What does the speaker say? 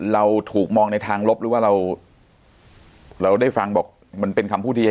เราถูกมองในทางลบหรือว่าเราเราได้ฟังบอกมันเป็นคำพูดที่จะ